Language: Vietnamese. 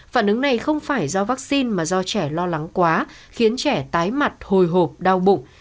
phản ứng này không phải do vaccine mà do trẻ lo lắng quá khiến trẻ tái mặt hồi hộp đau bụng